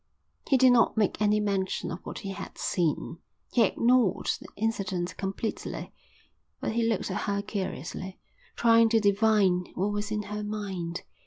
He did not make any mention of what he had seen. He ignored the incident completely, but he looked at her curiously, trying to divine what was in her mind.